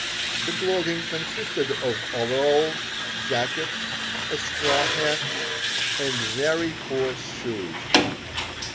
The clothing consisted of overalls, jacket, a straw hat and very coarse shoes.